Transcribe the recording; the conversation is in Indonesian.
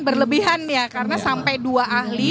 berlebihan ya karena sampai dua ahli